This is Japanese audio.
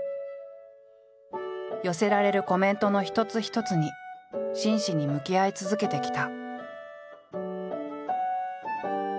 寄せられるコメントの一つ一つに真摯に向き合い続けてきた。